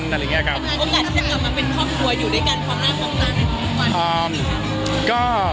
โอกาสที่จะกลับมาเป็นพ่อครัวอยู่ด้วยกันความน่าพอมี